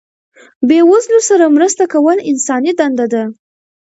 بې وزلو سره مرسته کول انساني دنده ده.